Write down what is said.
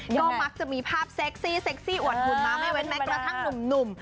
ก็มักจะมีภาพเซ็กซี่เซ็กซี่อวดหุ่นมาไม่เว้นแม้กระทั่งหนุ่ม